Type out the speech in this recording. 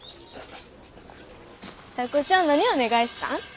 タイ子ちゃん何お願いしたん？